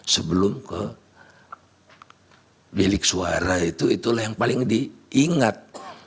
sebelum ke bilik suara itu itulah yang paling diingat